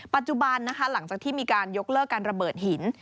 ปัจจุบันนะคะหลังจากที่มีการยกเลิกการระเบิดหิน